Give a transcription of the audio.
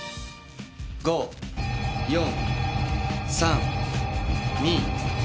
５４３２１。